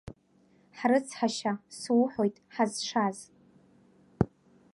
Ҳрыцҳашьа, суҳәоит, Ҳазшаз.